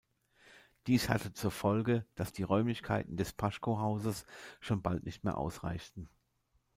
Dies hatte zur Folge, dass die Räumlichkeiten des Paschkow-Hauses schon bald nicht mehr ausreichten.